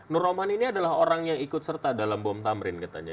nur roman ini adalah orang yang ikut serta dalam bom tamrin katanya